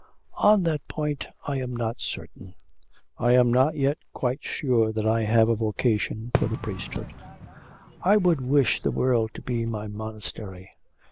'On that point I am not certain. I am not yet quite sure that I have a vocation for the priesthood. I would wish the world to be my monastery.